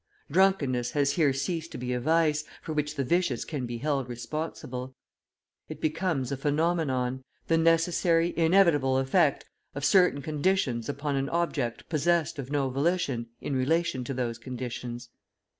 Drunkenness has here ceased to be a vice, for which the vicious can be held responsible; it becomes a phenomenon, the necessary, inevitable effect of certain conditions upon an object possessed of no volition in relation to those conditions.